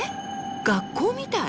学校みたい。